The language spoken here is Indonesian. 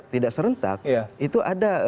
tidak serentak itu ada